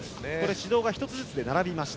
指導が１つずつで並びました。